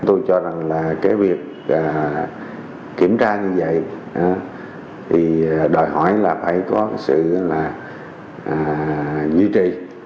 tôi cho rằng việc kiểm tra như vậy thì đòi hỏi là phải có sự duy trì